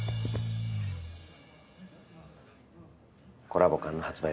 コラボ缶の発売